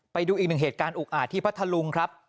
ไปดูอีกหนึ่งเหตุการณ์อุกอาจที่พัทธลุงครับ